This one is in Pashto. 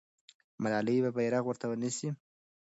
ملالۍ به بیرغ ورته نیسي.